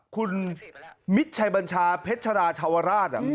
คุณมิตรชัยบัญชาเพชราชาวราช